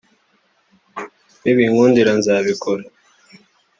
nibinkundira nzabikora